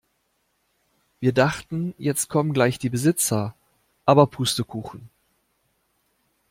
Wir dachten jetzt kommen gleich die Besitzer, aber Pustekuchen.